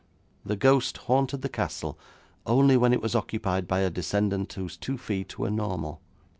The ghost haunted the castle only when it was occupied by a descendant whose two feet were normal.